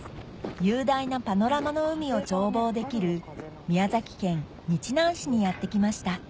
雄大なパノラマの海を眺望できる宮崎県日南市にやって来ました